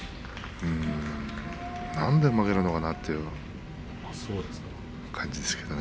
なんで負けるのかなという感じですね。